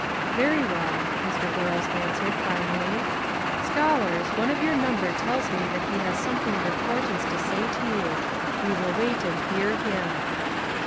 "Very well," Mr. Burrows answered finally. "Scholars, one of your number tells me that he has something of importance to say to you; we will wait and hear him."